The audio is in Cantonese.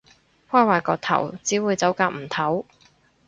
開壞個頭，只會走夾唔唞